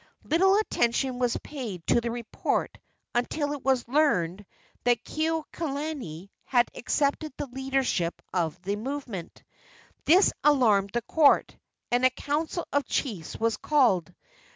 Little attention was paid to the report until it was learned that Kekuaokalani had accepted the leadership of the movement. This alarmed the court, and a council of chiefs was called.